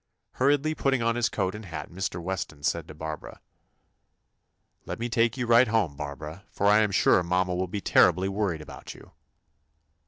Hurriedly putting on his coat and hat Mr. Wes ton said to Barbara: "Let me take you right home, Bar bara, for I am sure mamma will be terribly worried about you."